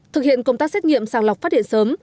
thực hiện công tác xét nghiệm sàng lọc phát hiện sớm